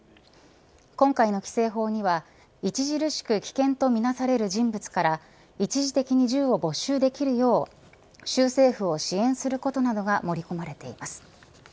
今回の規制法には著しく危険と見なされる人物から一時的に銃を没収できるよう州政府を支援することなどが盛り込まれています。